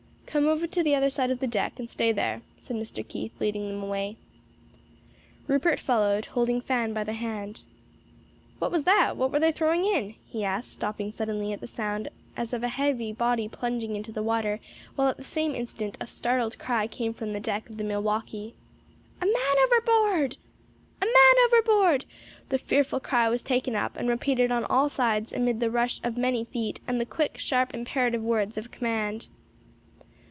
"Come over to the other side of the deck, and stay there," said Mr. Keith, leading them away. Rupert followed holding Fan by the hand. "What was that? what were they throwing in?" he asked, stopping suddenly at a sound as of a heavy body plunging into the water, while at the same instant a startled cry came from the deck of the Milwaukee. "A man overboard!" "A man overboard!" the fearful cry was taken up and repeated on all sides amid the rush of many feet and the quick, sharp imperative words of command.